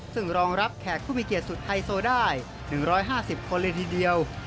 ซึ่งรองรับแขกผู้มีเกียรติสุดไฮโซได้๑๕๐คนเลยทีเดียว